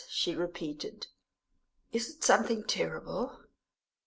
she repeated. "Is it something terrible?"